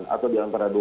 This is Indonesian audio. atau di antara dua belas